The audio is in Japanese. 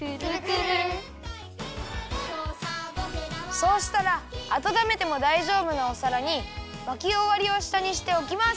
そうしたらあたためてもだいじょうぶなおさらにまきおわりをしたにしておきます。